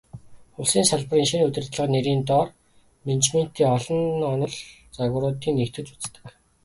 Улсын салбарын шинэ удирдлага нэрийн доор менежментийн олон онол, загваруудыг нэгтгэж үздэг.